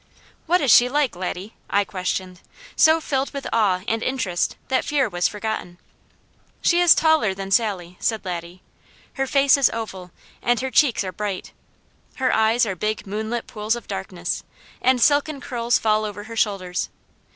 "What is she like, Laddie?" I questioned, so filled with awe and interest, that fear was forgotten. "She is taller than Sally," said Laddie. "Her face is oval, and her cheeks are bright. Her eyes are big moonlit pools of darkness, and silken curls fall over her shoulders.